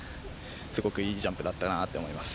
すごくいいジャンプだったなって思います。